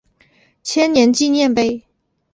千年纪念碑。